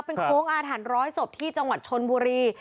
เป็นโค้งอาถรรพร้อยศพที่จังหวัดชนบุรี